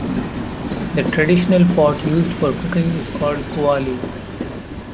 The traditional pot used for cooking is called "kuali".